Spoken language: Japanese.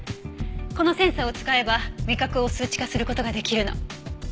このセンサーを使えば味覚を数値化する事が出来るの。